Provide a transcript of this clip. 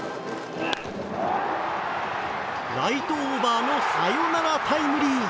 ライトオーバーのサヨナラタイムリー。